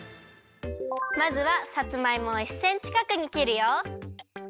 まずはさつまいもを１センチかくにきるよ。